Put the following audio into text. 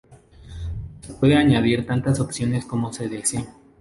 Se pueden añadir tantas opciones como se desee.